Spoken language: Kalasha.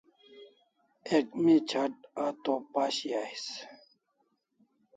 Ek mi ch'at a to pashi ais